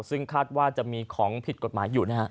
ซึ่งคาดว่าจะมีของผิดกฎหมายอยู่นะฮะ